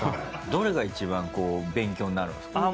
どれが一番勉強になるんですか？